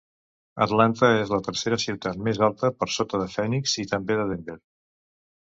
Atlanta és la tercera ciutat més alta, per sota de Phoenix, i també de Denver.